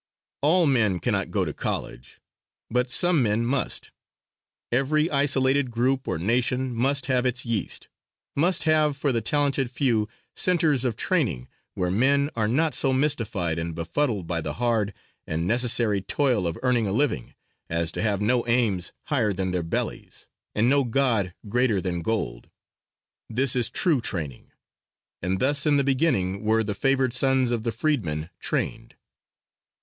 All men cannot go to college but some men must; every isolated group or nation must have its yeast, must have for the talented few centers of training where men are not so mystified and befuddled by the hard and necessary toil of earning a living, as to have no aims higher than their bellies, and no God greater than Gold. This is true training, and thus in the beginning were the favored sons of the freedmen trained.